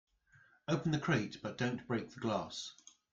Open the crate but don't break the glass.